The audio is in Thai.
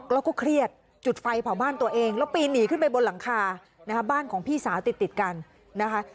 แล้วก็เครียดจุดไฟเผาบ้านตัวเองแล้วปีนหนีขึ้นไปบนหลังคานะคะบ้านของพี่สาวติดติดกันนะคะ